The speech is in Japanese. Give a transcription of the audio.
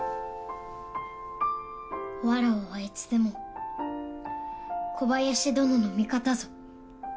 わらわはいつでも小林どのの味方ぞ。